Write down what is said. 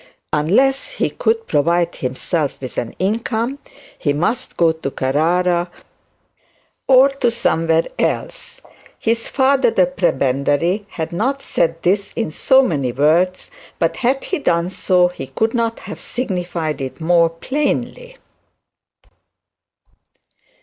Unless he could provide himself with an income, he must go to Carrara or to . His father the prebendary had not said this in so many words, but had he done so, he could not have signified it more plainly.